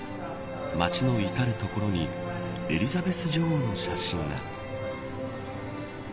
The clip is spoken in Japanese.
街の至る所にエリザベス女王の写真が。